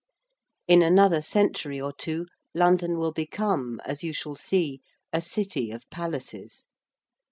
In another century or two London will become, as you shall see, a City of Palaces.